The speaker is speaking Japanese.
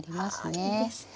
あいいですね。